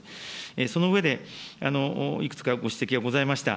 その上でいくつかご指摘がございました。